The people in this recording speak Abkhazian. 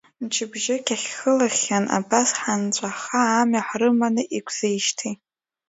Мчыбжьык иахылахьан, абас ҳанҵәаха амҩа ҳрыманы иқәзижьҭеи.